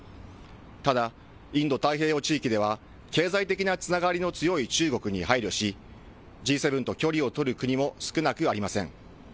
ただ、インド太平洋地域では、経済的なつながりの強い中国に配慮し、Ｇ７と距離を取る国も少なくありません。